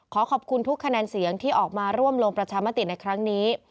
ขอขอบคุณทุกคะแนนเสียงที่ออกมาร่วมลงประชามติในครั้งนี้